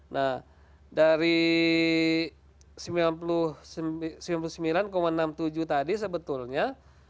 nah dari sembilan puluh sembilan enam puluh tujuh tadi sebetulnya